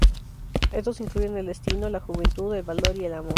Estos incluyen el destino, la juventud, el valor y el amor.